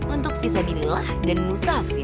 untuk bos binilah dan musafir